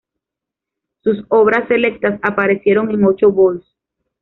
Sus "Obras selectas" aparecieron en ocho vols.